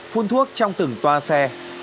phun thuốc trong từng toa xe